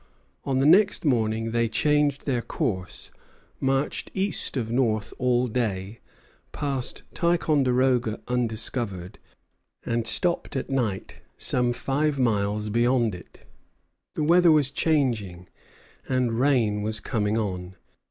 On the next morning they changed their course, marched east of north all day, passed Ticonderoga undiscovered, and stopped at night some five miles beyond it. The weather was changing, and rain was coming on.